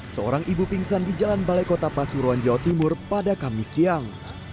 seorang ibu pingsan di jalan balai kota pasuruan jawa timur pada kamis siang